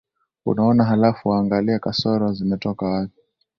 unaona halafu waangalie kasoro zimetoka wapi